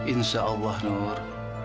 insya allah nur